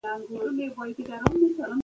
د ښوونځي بخښنې چیغې به د هڅونې لامل سي.